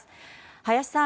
林さん